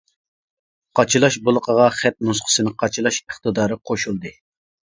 قاچىلاش بولىقىغا خەت نۇسخىسى قاچىلاش ئىقتىدارى قوشۇلدى.